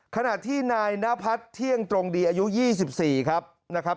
ขณะที่นายน้าพัดเที่ยงตรงดีอายุยี่สิบสี่ครับนะครับ